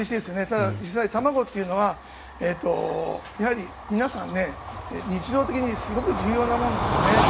ただ、実際卵というのはやはり皆さん日常的にすごく重要なものなんですよね。